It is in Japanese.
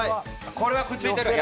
これはくっついてる。